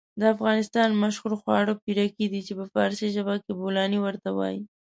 د افغانستان مشهور خواړه پيرکي دي چې په فارسي ژبه کې بولانى ورته وايي.